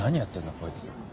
こいつ。